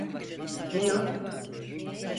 Ne yok?